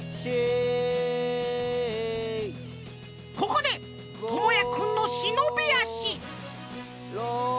ここでともやくんの忍び足６。